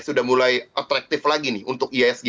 sudah mulai atraktif lagi nih untuk ihsg